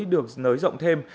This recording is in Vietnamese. được nới rộng thêm